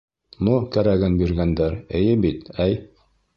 Но, кәрәген биргәндәр, эйе бит, әй!